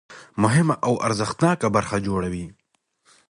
مهمه او ارزښتناکه برخه جوړوي.